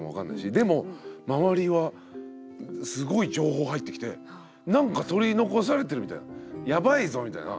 でも周りはすごい情報入ってきてなんか取り残されてるみたいなやばいぞみたいな。